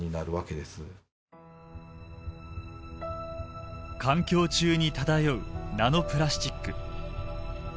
今度はその環境中に漂うナノプラスチック。